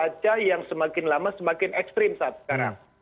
cuaca yang semakin lama semakin ekstrim saat sekarang